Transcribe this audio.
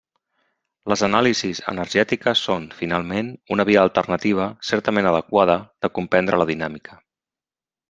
Les anàlisis energètiques són, finalment, una via alternativa, certament adequada, de comprendre la Dinàmica.